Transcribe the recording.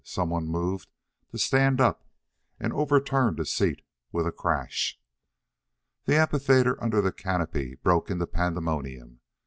Some one moved to stand up and overturned a seat with a crash. The amphitheater under the canopy broke into a pandemonium.